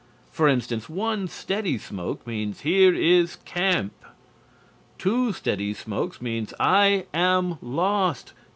For instance, one steady smoke means "Here is camp." Two steady smokes mean "I am lost.